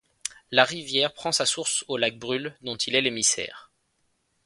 La rivière prend sa source au lac Brule dont il est l'émissaire.